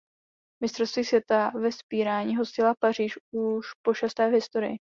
Mistrovství světa ve vzpírání hostila Paříž už pošesté v historii.